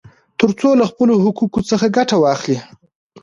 ترڅو له خپلو حقوقو څخه ګټه واخلي.